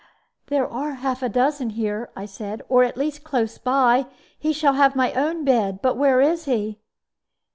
"There are half a dozen here," I said; "or at least close by. He shall have my own bed. But where is he?"